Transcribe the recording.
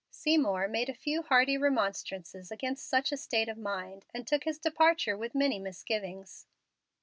Seymour made a few hearty remonstrances against such a state of mind, and took his departure with many misgivings.